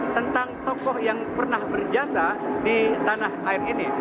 tentang tokoh yang pernah berjasa di tanah air ini